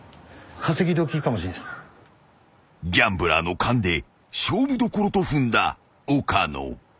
［ギャンブラーの勘で勝負どころと踏んだ岡野］